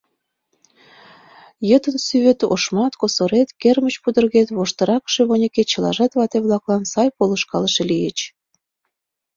Йытын сӱвет, ошмат, косорет, кермыч пудыргет, воштыраҥше выньыкет — чылажат вате-влаклан сай полышкалыше лийыч.